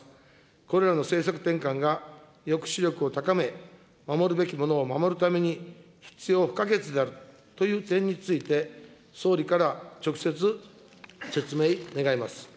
これらの政策転換が抑止力を高め、守るべきものを守るために必要不可欠であるという点について、総理から直接説明願います。